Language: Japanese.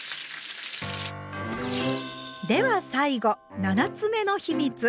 では最後７つ目の秘密。